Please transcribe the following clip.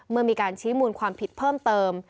เมื่อมีการชี้มูลความผิดเพิ่มเติม